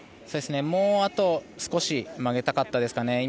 もうあと少し曲げたかったですかね。